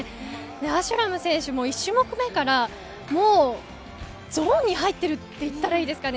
アシュラム選手も、１種目目からゾーンに入っているといったらいいのでしょうか。